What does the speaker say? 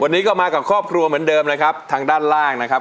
วันนี้ก็มากับครอบครัวเหมือนเดิมนะครับทางด้านล่างนะครับ